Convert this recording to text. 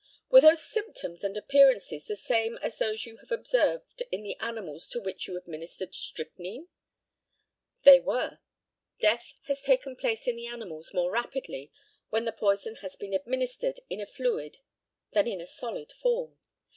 Were those symptoms and appearances the same as those you have observed in the animals to which you administered strychnine? They were. Death has taken place in the animals more rapidly when the poison has been administered in a fluid than in a solid form.